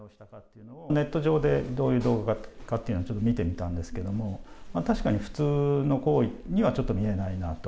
ネット上でどういう動画かっていうのをちょっと見てみたんですけれども、確かに普通の行為にはちょっと見えないなと。